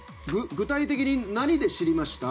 具体的に何で知りました？